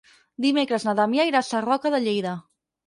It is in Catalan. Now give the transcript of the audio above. Dimecres na Damià irà a Sarroca de Lleida.